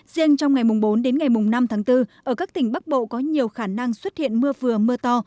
riêng trong ngày bốn năm bốn ở các tỉnh bắc bộ có nhiều khả năng xuất hiện mưa vừa mưa to